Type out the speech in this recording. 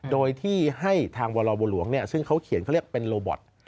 โดยที่ให้ทางวรบัวหลวงซึ่งเขาเขียนเขาเรียกเป็นโรบอต